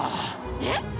えっ？